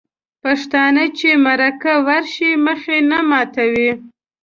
پښتانه چې مرکه ورشي مخ یې نه ماتوي.